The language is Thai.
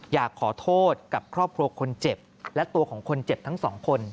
อยากขอโทษกับครอบครัวคนเจ็บและตัวของคนเจ็บทั้งสองคน